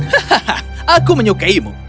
hahaha aku menyukaimu